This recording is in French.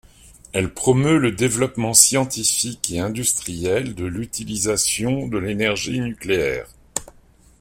Elle promeut le développement scientifique et industriel de l'utilisation de l'énergie nucléaire.